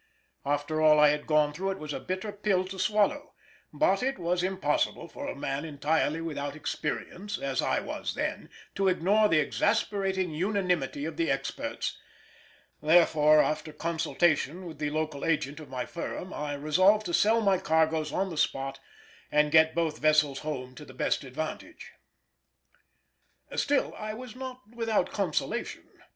After all I had gone through it was a bitter pill to swallow, but it was impossible for a man entirely without experience, as I was then, to ignore the exasperating unanimity of the experts; therefore after consultation with the local agent of my firm I resolved to sell my cargoes on the spot and get both vessels home to the best advantage. Still I was not without consolation.